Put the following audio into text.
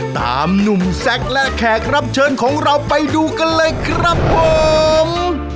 ตามหนุ่มแซคและแขกรับเชิญของเราไปดูกันเลยครับผม